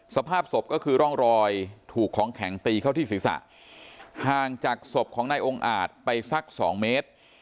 สภาพศพก็คือร่องรอยถูกของแข็งตีเข้าที่ศีรษะห่างจากศพของนายองค์อาจไปสักสองเมตร